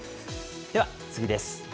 では次です。